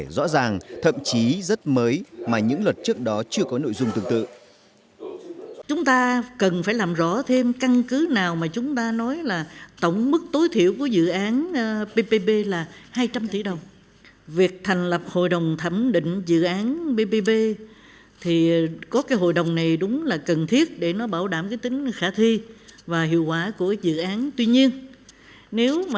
rõ ràng thậm chí rất mới mà những luật trước đó chưa có nội dung tương tự